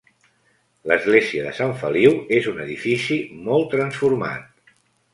L'església de Sant Feliu és un edifici molt transformat.